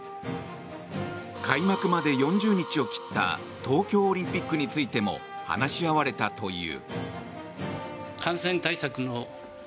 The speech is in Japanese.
開幕まで４０日を切った東京オリンピックについても話し合われたという。